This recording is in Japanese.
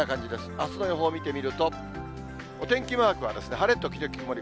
あすの予報を見てみると、お天気マークは晴れ時々曇り。